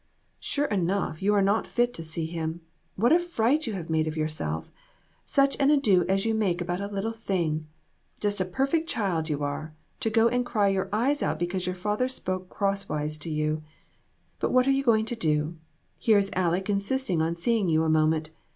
"Sure enough, you are not fit to see him. What a fright you have made of yourself. Such an ado as you make about a little thing ! Just a perfect child you are, to go and cry your eyes out because your father spoke cross wise to you. But what are you going to do? Here is Aleck insist ing on seeing you a moment.